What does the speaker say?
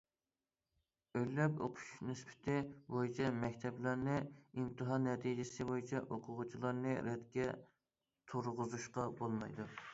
ئۆرلەپ ئوقۇش نىسبىتى بويىچە مەكتەپلەرنى، ئىمتىھان نەتىجىسى بويىچە ئوقۇغۇچىلارنى رەتكە تۇرغۇزۇشقا بولمايدۇ.